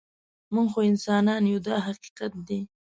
موږ خو انسانان یو دا حقیقت دی.